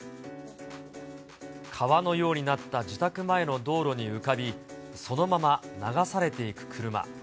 川のようになった自宅前の道路に浮かび、そのまま流されていく車。